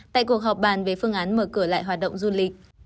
tại cuộc họp bàn về phương án mở cửa lại hoạt động du lịch